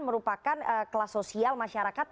merupakan kelas sosial masyarakat